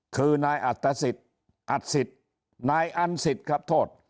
คือนายอัตศิษฐ์อัตศิษฐ์นายอันศิษฐ์ครับโทษ